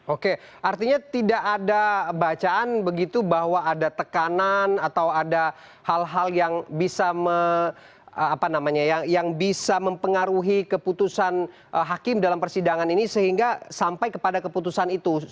oke artinya tidak ada bacaan begitu bahwa ada tekanan atau ada hal hal yang bisa mempengaruhi keputusan hakim dalam persidangan ini sehingga sampai kepada keputusan itu